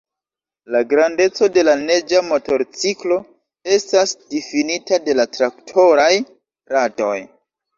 La grandeco de la neĝa motorciklo estas difinita de la traktoraj radoj.